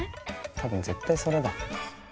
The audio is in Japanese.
多分絶対それだ。